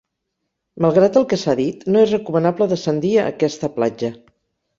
Malgrat el que s'ha dit, no és recomanable descendir a aquesta platja.